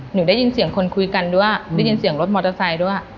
หนูได้ยินเสียงคนคุยกันด้วยได้ยินเสียงรถมอเตอร์ไซค์ด้วย